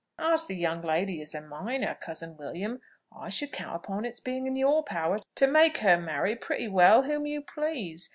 "As the young lady is a minor, cousin William, I should count upon its being in your power to make her marry pretty well whom you please.